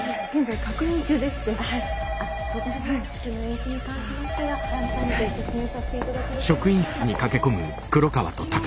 はい卒業式の延期に関しましては改めて説明させて頂く予定ですので。